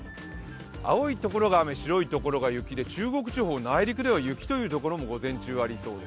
青いところが雨、白いところが雪で中国地方、内陸では雪というところもあります。